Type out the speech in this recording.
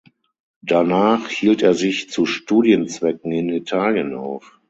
Danach hielt er sich zu Studienzwecken in Italien auf.